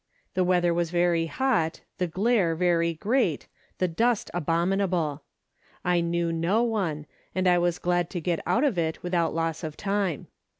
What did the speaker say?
The weather was very hot, the glare very great, the dust abominable. I knew no one, and I was glad to get out of it without loss of time.